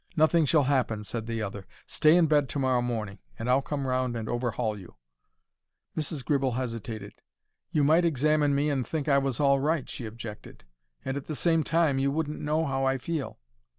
"Nothing shall happen," said the other. "Stay in bed to morrow morning, and I'll come round and overhaul you." Mrs. Gribble hesitated. "You might examine me and think I was all right," she objected; "and at the same time you wouldn't know how I feel."